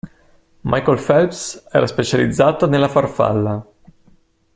Michael Phelps era specializzato nella farfalla.